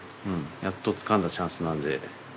やっとつかんだチャンスなんで。